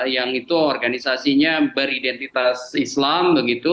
yang itu organisasinya beridentitas islam begitu